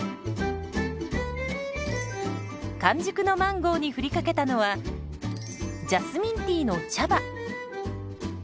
完熟のマンゴーに振りかけたのはジャスミンティーの茶葉。